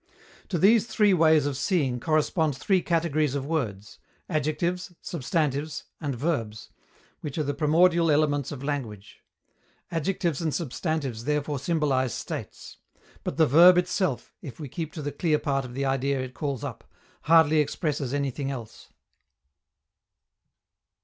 To these three ways of seeing correspond three categories of words: adjectives, substantives, and verbs, which are the primordial elements of language. Adjectives and substantives therefore symbolize states. But the verb itself, if we keep to the clear part of the idea it calls up, hardly expresses anything else.